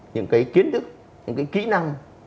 những kiến thức những kỹ năng